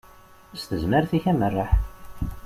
S tezmert-ik amerreḥ.